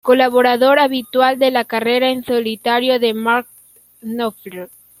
Colaborador habitual de la carrera en solitario de Mark Knopfler.